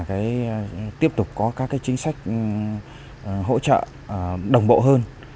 thì chúng tôi cũng kiến nghị là một là tiếp tục có các cái chính sách hỗ trợ đồng bộ hơn